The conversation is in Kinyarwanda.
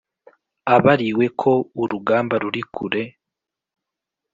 abariwe ko urugamba ruri kure,